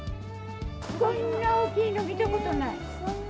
こんな大きいの見たことない。